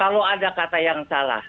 kalau ada kata yang salah